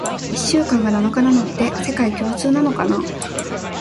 一週間が七日なのって、世界共通なのかな？